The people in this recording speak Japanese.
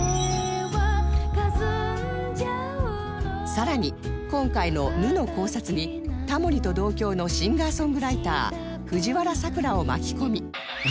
更に今回の「ぬ」の考察にタモリと同郷のシンガーソングライター藤原さくらを巻き込み